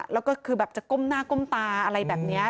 แล้วก็คือแบบจะก้มหน้าก้มตาอะไรแบบนี้